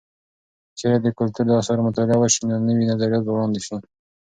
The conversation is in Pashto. که چیرې د کلتور د اثارو مطالعه وسي، نو نوي نظریات به وړاندې سي.